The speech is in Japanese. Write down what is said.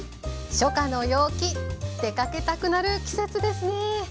初夏の陽気出かけたくなる季節ですね。